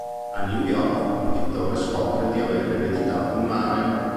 A New York, un pittore scopre di avere ereditato un harem.